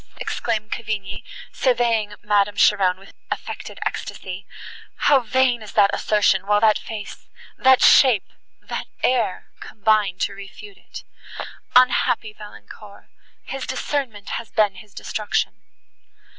exclaimed Cavigni, surveying Madame Cheron with affected ecstasy, "how vain is that assertion, while that face—that shape—that air—combine to refute it! Unhappy Valancourt! his discernment has been his destruction."